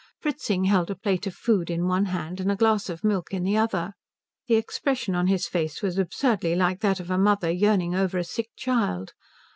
Fritzing held a plate of food in one hand and a glass of milk in the other. The expression on his face was absurdly like that of a mother yearning over a sick child.